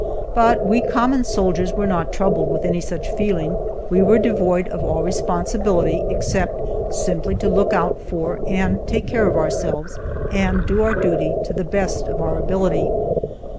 But we common soldiers were not troubled with any such feeling. We were devoid of all responsibility, except simply to look out for and take care of ourselves, and do our duty to the best of our ability.